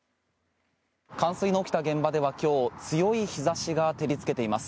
冠水の起きた現場では今日強い日差しが照りつけています。